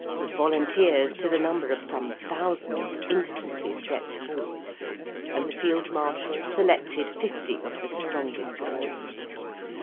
Volunteers, to the number of some thousands, instantly stepped forward, and the Field Marshal selected fifty of the strongest crows.